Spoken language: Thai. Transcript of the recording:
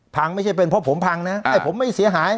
ไม่ใช่เป็นเพราะผมพังนะไอ้ผมไม่เสียหาย